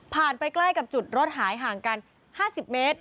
ไปใกล้กับจุดรถหายห่างกัน๕๐เมตร